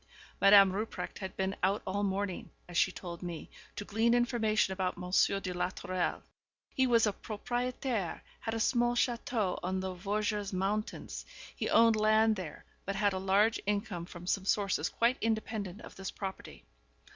Madame Rupprecht had been out all morning, as she told me, to glean information about Monsieur de la Tourelle. He was a propriétaire, had a small château on the Vosges mountains; he owned land there, but had a large income from some sources quite independent of this property.